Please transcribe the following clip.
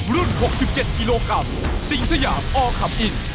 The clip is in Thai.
รุ่น๖๗กิโลกรัมสิงษยาบอคับอิน